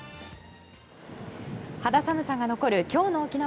肌寒さが残る今日の沖縄。